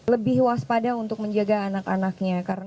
lebih waspada untuk menjaga anak anaknya